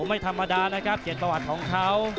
ไม่ธรรมดานะครับเกียรติประวัติของเขา